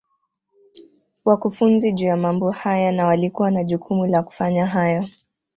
wakufunzi juu ya mambo haya na walikuwa na jukumu la kufanya haya